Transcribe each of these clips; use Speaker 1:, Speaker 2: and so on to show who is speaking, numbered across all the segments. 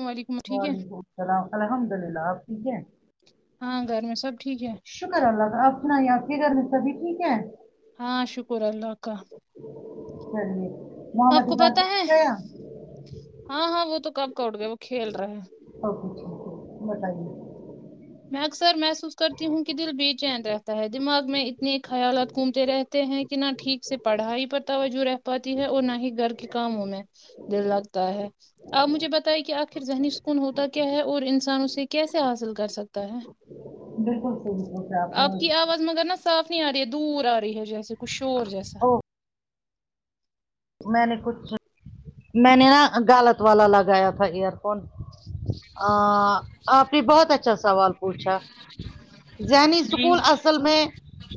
Speaker 1: وعلیکم ٹھیک ہے
Speaker 2: وعلیکم السلام الحمد للہ آپ ٹھیک ہیں
Speaker 1: ہاں گھر میں سب ٹھیک ہے
Speaker 2: شکر اللہ کا آنا آپ کے گھر میں سبھی ٹھیک ہے
Speaker 1: ہاں شکر اللہ کا آپ کو پتا ہے
Speaker 2: [unintelligible]
Speaker 1: ہاں ہاں وہ تو کب کا اٹ گئے وہ کھیل رہے ہیں
Speaker 2: [inaudible]
Speaker 1: میں اکثر محسوس کرتی ہوں کہ دل بے چین رہتا ہے دماغ میں خیالات گھومتے رہتے ہیں کہ نہ ٹھیک سے پڑھائی پر توجہ رہ پاتی ہے اور نہ ہی گھر کے کاموں میں دل لگتا ہے آپ مجھے بتائیں کہ آخر ذہنی سکون ہوتا کیا ہے اور انسان اسے کیسے حاصل کر سک تا ہے
Speaker 2: بالکل صحیح سونچا آپ نے
Speaker 1: کی آواز مگر نا صاف نہیں آ رہی ہے دور آ رہی ہے جیسے کچھ شور جیسا
Speaker 2: او میں نے کچھ میں نے نا گلت والا لگایا تھا یار فون آ آپ نے بہت اچھا سوال پوچھا ذہنی سکون اصل میں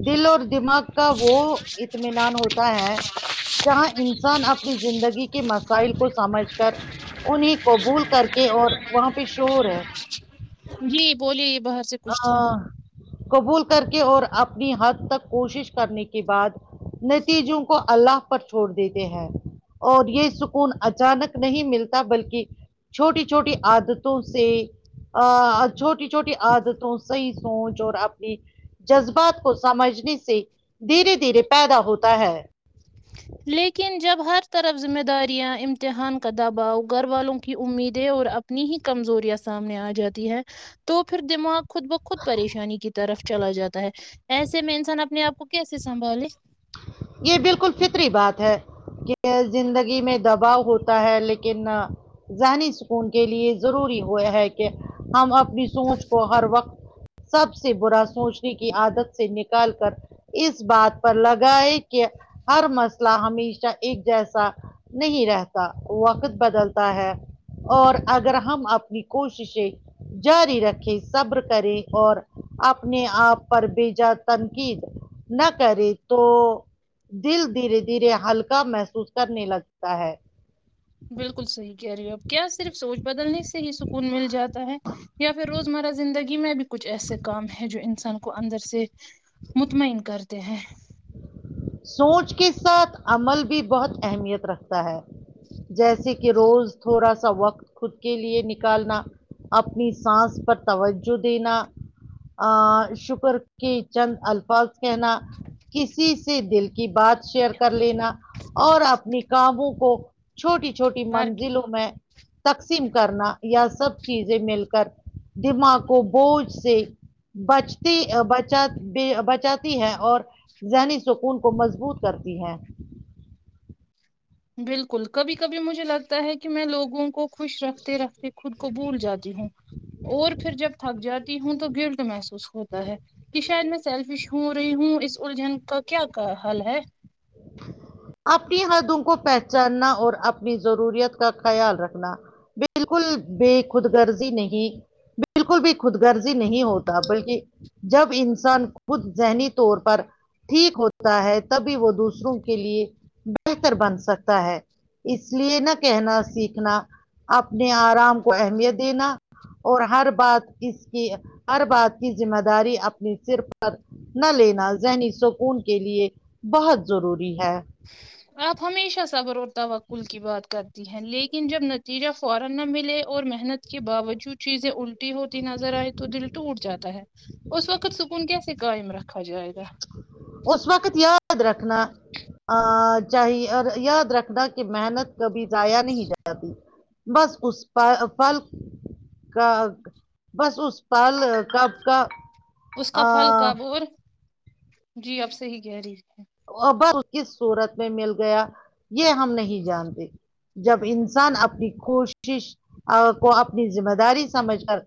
Speaker 2: دل اور دماغ کا وہ اطمینان ہوتا ہے جہاں ان سان اپنی زندگی کے مسائل کو سمجھ کر انہیں قبول کر کے اور وہاں پہ شور ہے
Speaker 1: جی بولیے یہ باہر سے کچھ تھا
Speaker 2: قبول کر کے اور اپنی حد تک کوشش کرنے کی کے بعد نتیجوں کو الله پر چھوڑ دیتے ہیں اور یہ سکون اچانک نہیں ملتا بلکہ چھوٹی چھوٹی عادتوں سے چھوٹی چھوٹی عادت تو صحیح سوچ اور آپنی جذبات کو سمجھنے سے دھیرے دھیرے پیدا ہوتا ہے
Speaker 1: لیکن جب ہر طرف ذمہ داریاں امتحان کا دباؤ گھر والوں کی امیدیں اور اپنی ہی کمزوریاں سامنے آ جاتی ہے تو پھر دماغ خود بخود پریشانی کی طرف چلا جاتا ہے ایسے میں انسان اپنے آپ کو کیسے سنبھالے
Speaker 2: یہ بالکل فطری بات ہے کہ زندگی میں دباؤ ہوتا ہے لیکن جانی سکون کے لیے ضروری ہو ہے کہ ہم اپنی سوچ کو ہر وقت سب سے برا سوچنے کی عادت سے نکال کر اس بات پر لگ گائے کے ہر مسئلہ ہمیشہ ایک جیسا نہیں رہتا وقت بدلتا ہے اور اگر ہم اپنی کوششیں جاری رکھیں صبر کریں اور اپنے آپ پر بیجا تنقید نہ کرے تو دل دھیرے دھیرے ہلکا محسوس کرنے لگتا ہے
Speaker 1: بالکل صحیح کہرہی ہو آپ کیا صرف سوچ بدلنے ہی سکون مل جاتا ہے یا پھر روزمرہ زندگی میں بھی کچھ ایسے کام ہے جو انسان کو کو اندر سے مطمئن کرتے ہیں
Speaker 2: سوچ کے ساتھ عمل بھی بہت اہمیت رکھتا ہے جیسے کہ روز تھوڑا سا وقت خود کے لیے نکالنا اپنی سانس پر توجہ دینا ا شکر کی چند الفاظ کہنا کسی سے دل کی بات شیئر کر لینا اور اپنی گموں کو چھوٹی چھوٹی
Speaker 1: بھر کے
Speaker 2: منزلوں میں تقسیم کرنا یا سب چیزیں مل کر دماغ کو بوجھ سے بچتی بچا بچاتی ہے اور ذہنی سکون کو مضبوط کرتی ہیں
Speaker 1: بالکل کبھی کبھی مجھے لگتا ہے کہ میں لوگوں کو خوش رکھتے رکھتے خود کو بھول جاتی ہوں اور پھر جب تھک جاتی ہوں تو گیلٹ محسوس ہوتا ہے کہ شاید میں سیلفش ہو رہی ہوں اس اللجھن کا کیا حال ہے
Speaker 2: اپنی حدوں کو پہچاننا اور اپنی ضروریت کا خیال رکھنا بالکل بے خود گرضی نہیں بالکل بھی خود گرزی نہیں ہوتا بلکہ جب انسان خود ذہنی طور پر ٹھیک ہوتا ہے تبھی وہ دوسرا دوسروں کے لیے بہتر بن سکتا ہے اس لیے نہ کہنا سیکھنا اپنے آرام کو اہمیت دینا اور ہر بات اس کی ہر بات کی ذمہ داری اپنی سر پر نہ لینا ذہنی سکون کے لیے بہت ضروری ہے
Speaker 1: آپ ہمیشہ صبر و توکل کی بات کرتے ہیں لیکن جب نتیجہ فورن نہ ملے اور محنت کے باوجود چیزیں ال ٹی ہوتی نظر آئے تو دل ٹوٹ جاتا ہے اس وقت سکون کیسے قائم رکھا جائے گا
Speaker 2: اس وقت یاد رکھنا چاہیے اور یاد رکھنا کہ محنت کبھی زایا نہیں جاتی بس اس پ پل کا بس اس پال کب کا
Speaker 1: اس کا پھل
Speaker 2: آ،
Speaker 1: کب اور جی اپ سہیں کہہ رہی ہے
Speaker 2: ابل کس صورت میں مل گیا یہ ہم نہیں جانتے جب انسان اپنی کوشش کو اپنی ذمہ داری سمجھ کر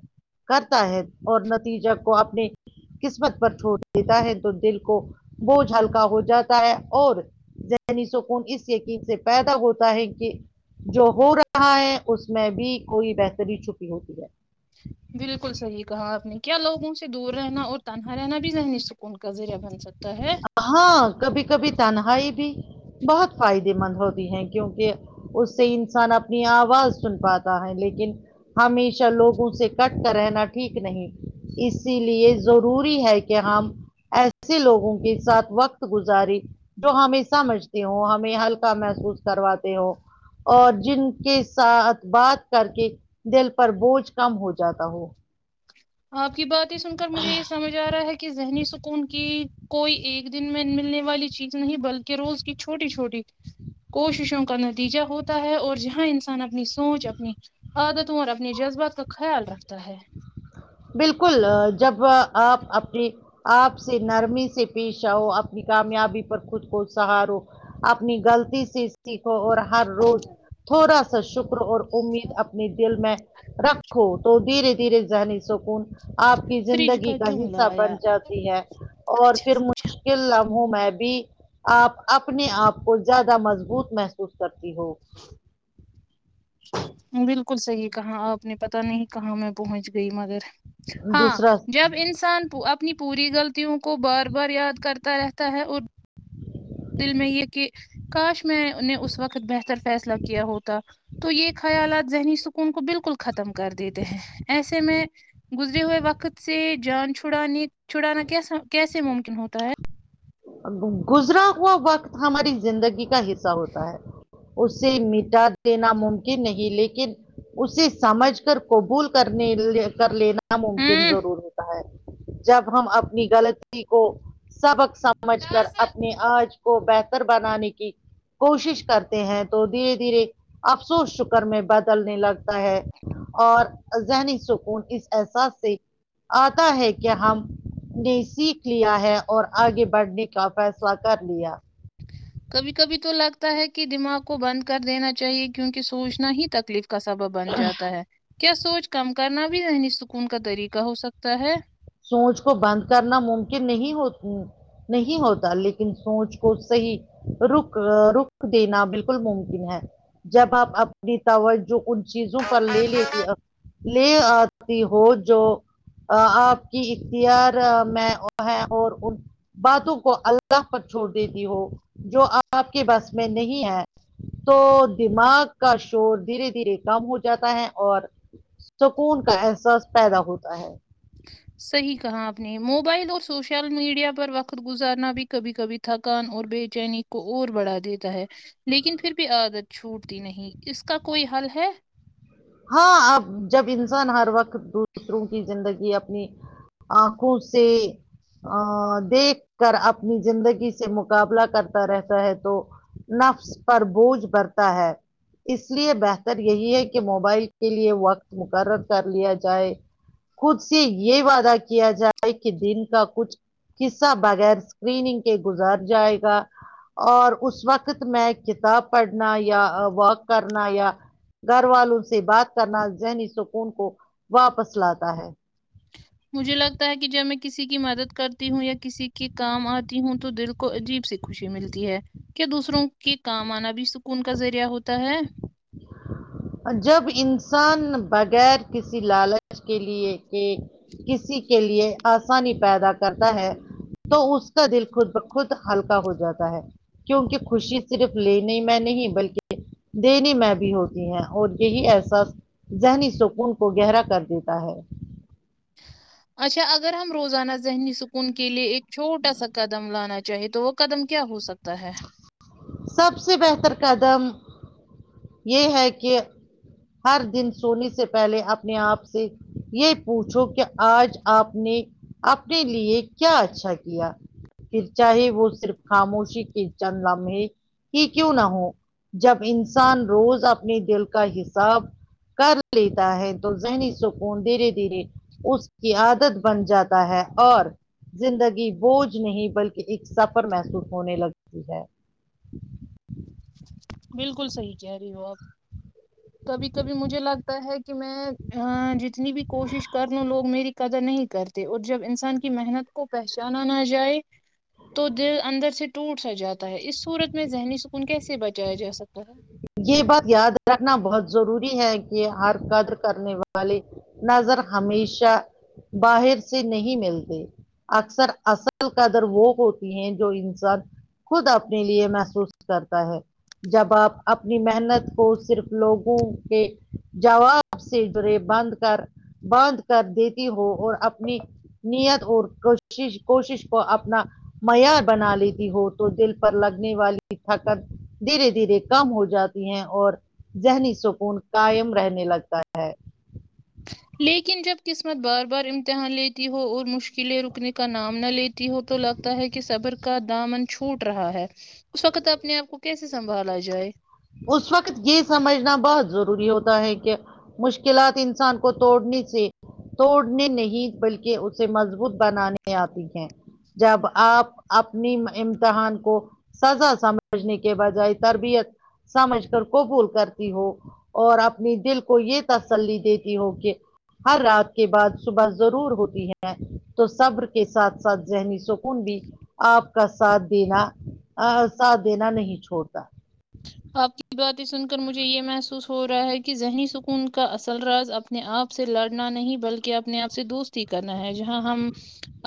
Speaker 2: کرتا ہے اور نتیجہ کو اپنے قسمت پر چھوڑ دیتا ہے تو دل کو بوجھ ہلکا ہو جاتا ہے اور ذہنی سکون اس یقین سے پیدا ہوتا ہے کہ جو ہو رہا ہے اس میں بھی کوئی بہتری چھپی ہوتی ہے
Speaker 1: بالکل صحیح کہا آپ نے کیا لوگوں سے دور رہنا اور تنہا رہنا بھی ذہنی سکون کا ذریعہ بن سک تا ہے
Speaker 2: ہاں کبھی کبھی تنہائی بھی بہت فائدے مند ہوتی ہے کیونکہ اس سے انسان اپنی آواز سن پاتا ہے لیکن ہمیشہ لوگوں سے کٹ کر رہنا ٹھیک نہیں اسی لیے ضروری ہے کہ ہم ایسے لوگوں کو وقت گزاری جو ہمیں سمجھتے ہو ہمیں ہلکا محسوس کرواتے ہو اور جن کے ساتھ بات کر کے دل پر بوجھ کم ہو جاتا ہو
Speaker 1: آپ کی باتیں سن کر مجھے یہ سمجھ جا رہا ہے کہ ذہنی سکون کی کوئی ایک دن میں ملنے والی چیز نہیں بلکہ روز کی چھوٹی چھوٹی کوششوں کا نتیجہ ہوتا ہے اور جہاں انسان اپنی سوچ اپنی عادتوں اور اپنے جذبات کا خیال رکھتا ہے
Speaker 2: بالکل ا جب آپ اپنی آپ سے نرمی سے پیش آو اپنی کامیابی پر خود کو سنوارو اپنی غلطی سے سیکھو اور ہر روز تھوڑا سا شکر اور امید اپ نیے دل میں رکھو تو دھیرے دھیرے ذہنی سکون آپ کی
Speaker 1: فریج
Speaker 2: زندگی کا
Speaker 1: کیوں
Speaker 2: حصہ
Speaker 1: لایا
Speaker 2: بن جاتی ہے اور
Speaker 1: اچھا
Speaker 2: پھر مش
Speaker 1: اچھا
Speaker 2: کل لمحوں میں بھی آپ اپنے آپ کو زیادہ مضبوط محسوس کرتی ہو
Speaker 1: [inaudible] بالکل صحیح کہا آپ نے پتہ نہیں کہاں میں پہنچ گئی مگر ہاں
Speaker 2: دوسرا
Speaker 1: جب انسان پو اپنی پوری غلطیوں کو بار بار یاد کرتا رہتا ہے اور
Speaker 2: [inaudible]
Speaker 1: دل میں یہ کہ کاش میں نے اس وقت بہتر فیصلہ کیا ہوتا تو یہ خیالات ذہنی سکون کو بالکل ختم کر دیتے ہیں ایسے میں گزرے ہوئے وقت سے جان چھڑانے چھڑانا کیسا کیسے ممکن ہوتا ہے
Speaker 2: گزرا ہوا وقت ہماری زندگی کا حصہ ہوتا ہے اسے مٹا دینا ممکن نہیں لیکن اسے سمجھ کر قبول کرنے لے کر لینا نہ ممکن
Speaker 1: ہوں
Speaker 2: ضرور ہوتا ہے جب ہم اپنی غلطی کو سبق سمجھ کر اپنی آج کو بہتر بنانے کی کوشش کرتے ہیں تو دھیرے دھیرے افسوس شکر میں بدلنے لگ تے ہیں اور ذہنی سکون اس احساس سے آتا ہے کہ ہم نے سیکھ لیا ہے اور آگے بڑھنے کا فیصلہ کر لیا
Speaker 1: کبھی کبھی تو لگتا ہے کہ دماغ کو بند کر دینا چاہیے کیونکہ سوچنا ہی تکلیف کا سبب بن جاتا ہے کیا سوچ کم کرنا بھی ذہنی سکون کا طریقہ ہو سکتا ہے
Speaker 2: سوچ کو بند کرنا ممکن نہیں ہوتی نہیں ہوتا لیکن سوچ کو صحیح رخ رخ دینا بالکل ممکن ہے جب آپ اپنی توجہ ان چیزوں پر لے لیتی ا لے آتی ہو جو ا آپ کی اختار مہ میں ہے اور ان کی باتوں کو اللہ پر چھوڑ دیتی ہو جو آپ کے بس میں نہیں ہے تو دماغ کا شور دھیرے دھیرے کم ہو جاتا ہے اور سکون کا احساس پیدا ہوتا ہے
Speaker 1: صحیح کہا آپ نے موبائل اور سوشل میڈیا پر وقت گزارنا بھی کبھی کبھی تھکان اور بے چینی کو اور بڑھا دیتا ہے لیکن پھر بھی عادت چھوٹتی نہیں اس کا کوئی حل ہے
Speaker 2: ہاں اب جب انسان ہر وقت دوسروں کی زندگی اپنی آنکھوں سے ا دیکھ کر اپنی زندگی سے مقابلہ کرتا رہتا ہے تو نفس پر بوجھ بڑھتا ہے اس لیے بہتر یہی ہے کہ موبائل کے لیے وقت مقرر کر لیا جائے خود سے یہ وعدہ کیا جائے کہ دن کا کچھ حصہ بغیر اسکریننگ کے گزر جائے گا اور اس وقت میں کتاب پڑھنا یا واک کرنا یا گھر والوں سے بات کرنا ذہنی سکون کو واپس لاتا ہے
Speaker 1: مجھے لگتا ہے کہ جب میں کسی کی مدد کرتی ہوں یا کسی کی کام آتی ہوں تو دل کو عجیب سی خوشی ملتی ہے کے دوسروں کے کام آنا بھی سکون کا ذریعہ ہوتا ہے
Speaker 2: ا جب انسان بغیر کسی لالچ کے لیے کہ کسی کے لیے آسانی پیدا کرتا ہے تو اس کا دل خود با خود ہلکا ہو جاتا ہے کیونک خوشی صرف لینے میں نہیں بلکہ دینی میں بھی ہوتی ہیں اور یہی احساس ذہنی سکون کو گہرا کر دیتا ہے
Speaker 1: اچھا اگر ہم روزانہ ذہنی سکون کے لیے ایک چھوٹا سا قدم لانا چاہیے تو وہ قدم کیا ہو سکتا ہے
Speaker 2: سب سے بہتر قدم یہ ہے کہ ہر دن سونے سے پہلے اپنے آپ سے یہ پوچھو کہ آج آپ نے اپنے لیے کیا اچھا کیا کرچا ہی وہ صرف خاموشی ک چند لمے کہ کیوں نہ ہو جب انسان روز اپنے دل کا حساب کر لیتا ہے تو ذہنی سکون دھیرے دھیرے اس کی عادت بن جاتا ہے اور زندگی بوجھ نہیں بلکہ ایک سفر محسوس ہونے لگا [unintelligible]
Speaker 1: بالکل صحیح کہہ رہی ہو آپ کبھی کبھی مجھے لگتا ہے کہ میں ہا جتنی بھی کوشش کر نہ لوں میری قدر نہیں کرتے اور جب انسان کی محنت کو پہچانا نہ جائے تو دل اندر سے ٹوٹ سا جاتا ہے اس صورت میں ذہنی سکون کیسے بچایا جا سکتا ہے
Speaker 2: یہ بات یاد رکھنا بہت ضروری ہے کہ ہر قدر کرنے والے نظر ہمیشہ باہر سے نہیں ملتے اکثر اصل قدر وہ ہوتی ہیں جو انسان خود اپنے لیے محسوس کرتا ہے جب آپ اپنی محنت کو صرف لوگوں کے جواب سے جڑے بند کر باندھ کر دیتی ہو اور اپنی نیت اور کوشش کوشش کو اپنا معی بنا لیتی ہو تو دل پر لگنے والی تھکت دھیرے دھیرے کم ہو جاتی ہیں اور ذہنی سکون قائم رہنے لگتا ہے
Speaker 1: لیکن جب قسمت بار بار امتحان لیتی ہو اور مشکلیں رکنے کا نام نہ لیتی ہو تو لگتا ہے کہ صبر کا دامن چھوٹ رہا ہے اس وقت اپنے آپ کو کیسے سنبھالا جائے
Speaker 2: اس وقت یہ سمجھنا بہت ضروری ہوتا ہے کہ مشکلات انسان کو توڑنے سے توڑنے نہیں بلکہ اسے مضبوط بنانے آتی ہیں جب آپ اپنی امتحان کو سزا سمجھنے کی کے بجائے تربیت سمجھ کر قبول کرتی ہو اور اپنی دل کو یہ تسلی دیتی ہو کہ ہر رات کے بعد صبح ضرور ہوتی ہے تو صبر کے ساتھ ساتھ ذہنی سکون بھی آپ کا ساتھ دینا ا ساتھ دینا نہیں چھوڑتا
Speaker 1: آپ کی باتیں سن کر مجھے یہ محسوس ہو رہا ہے کہ ذہنی سکون کا اصل راز اپنا اپنے آپ سے لڑنا نہیں بلکہ اپنے آپ سے دوستی کرنا ہے جہاں ہم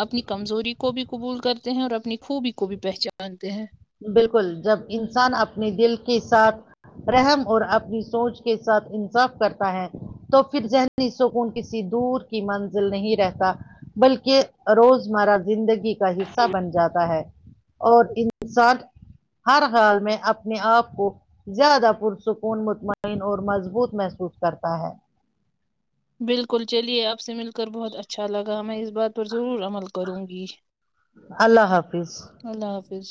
Speaker 1: اپنی کمزوری کو بھی قبول کرتے ہیں اور اپنی خوبی کو بھی پہچانتے ہیں
Speaker 2: بالکل جب انسان اپنے دل کے ساتھ رحم اور اپنی سوچ کے ساتھ انصاف کرتا ہے تو پھر ذہنی سکون کسی دور کی منزل نہیں رہتا بلکہ روزمرہ زندگی کا حصہ بن جاتا ہے اور ان انسان ہر حال میں اپنے آپ کو زیادہ پرسکون مطمئن اور مضبوط محسوس کرتا ہے
Speaker 1: بالکل چلیے آپ سے مل کر بہت اچھا لگا میں اس بات پر ضرور عمل کروں گی
Speaker 2: اللہ حافظ
Speaker 1: اللہ حافظ